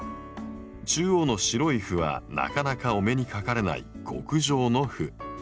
中央の白い斑はなかなかお目にかかれない極上の斑。